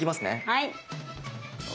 はい。